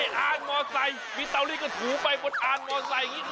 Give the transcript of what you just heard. นี่อาชีพมอเตอร์ไซส์มีเตอร์รีดกระถูไปบนอาชีพมอเตอร์ไซส์